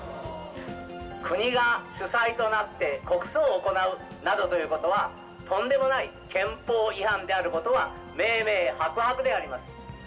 国が主催となって国葬を行うなどということは、とんでもない憲法違反であることは明々白々であります。